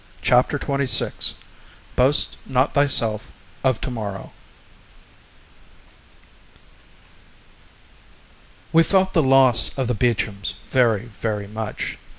CHAPTER TWENTY SIX Boast Not Thyself of Tomorrow We felt the loss of the Beechams very, very much.